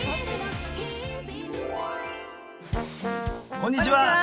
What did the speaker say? こんにちは！